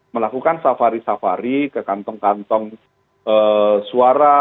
melakukan safari safari ke kantong kantong suara